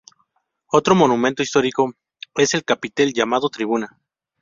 Otro monumento histórico es el capitel, llamado Tribuna.